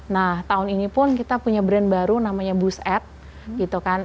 nah tahun ini pun kita punya brand baru namanya boost ad gitu kan